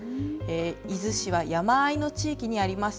伊豆市は山あいの地域にあります。